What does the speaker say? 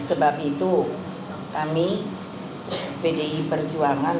ya sebab itu kami vdi perjuangan